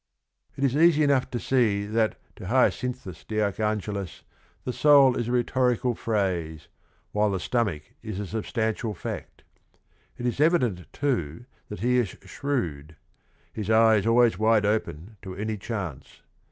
It^ is_ easy enough to see that to Hyacinth us de A rchangelis the soul is a rhetorical phr ase, whil e the stomach is a s ub stantia l fact. It is evident too that he is shrewd; his eye is always wide open to any chance.